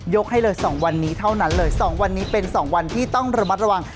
ให้เลย๒วันนี้เท่านั้นเลย๒วันนี้เป็น๒วันที่ต้องระมัดระวัง